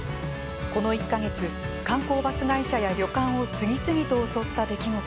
この１か月、観光バス会社や旅館を次々と襲った出来事。